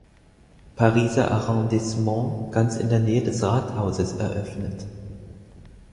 Pariser Arrondissement ganz in der Nähe des Rathauses eröffnet.